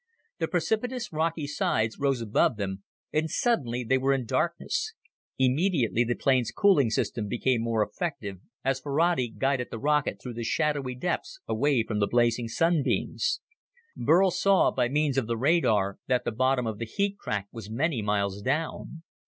The precipitous rocky sides rose above them, and suddenly they were in darkness. Immediately, the plane's cooling system became more effective as Ferrati guided the rocket through the shadowy depths away from the blazing sunbeams. Burl saw, by means of the radar, that the bottom of the heat crack was many miles down.